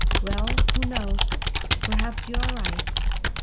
Well—who knows?—perhaps you are right."